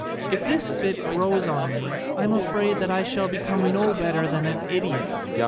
If this fit grows on me, I am afraid I shall become no better than an idiot.